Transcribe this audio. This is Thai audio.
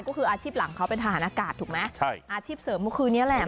ก็คืออาชีพหลังเขาเป็นทหารอากาศถูกไหมใช่อาชีพเสริมเมื่อคืนนี้แหละ